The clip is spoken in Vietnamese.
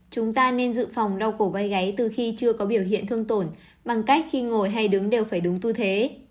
chúng ta nên dự phòng đau cổ vai gáy từ khi chưa có biểu hiện thương tổn bằng cách khi ngồi hay đứng đều phải đúng tư thế